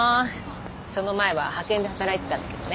その前は派遣で働いてたんだけどね。